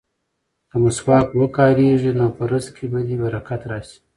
که مسواک وکاروې نو په رزق کې به دې برکت راشي.